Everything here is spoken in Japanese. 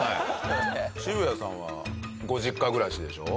渋谷さんはご実家暮らしでしょ？